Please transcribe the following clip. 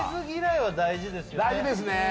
大事ですね。